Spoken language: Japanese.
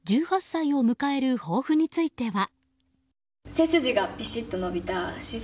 １８歳を迎える抱負については。